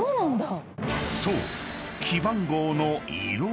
［そう］